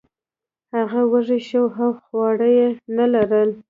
هغه وږی شو او خواړه یې نه لرل.